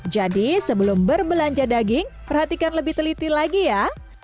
jadi sebelum berbelanja daging perhatikan lebih teliti lagi ya